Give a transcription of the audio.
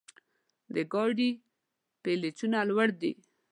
د ګاډي پېچونه لوړ دي.